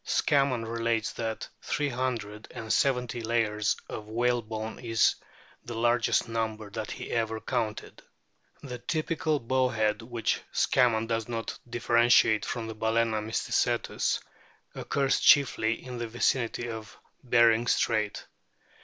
Scammon relates that three hundred and seventy layers of whalebone is the largest number that he ever counted. The typical " Bowhead," which Scammon does not differentiate from the Baltzna mysticetus^ occurs chiefly in the vicinity of Behring Strait.